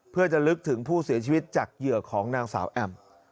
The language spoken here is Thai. เพื่อจะลึกถึงผู้เสียชีวิตจากเหยื่อของนางสาวแอม